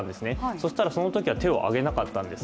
そしたらそのときは手を挙げなかったんです。